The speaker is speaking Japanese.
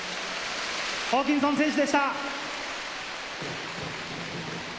ホーキンソン選手でした。